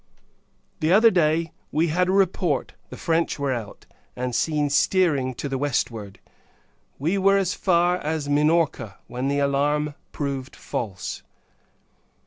The other day, we had a report the French were out, and seen steering to the westward. We were as far as Minorca, when the alarm proved false.